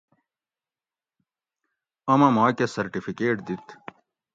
اوم اٞ ماکٞہ سرٹیفیکیٹ دِت